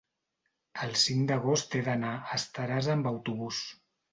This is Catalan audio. el cinc d'agost he d'anar a Estaràs amb autobús.